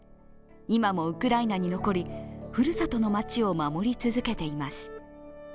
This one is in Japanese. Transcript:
今もウクライナに残りふるさとの街を守り続けています。